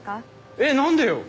えっ何でよ？